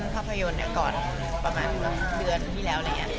ภาพยนตร์เกี่ยวกันประมาณ๒๕เดือนที่แล้ว